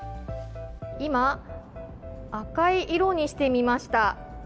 今、赤い色にしてみました。